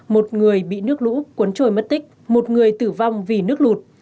một người bị nước lũ cuốn trôi mất tích một người tử vong vì nước lụt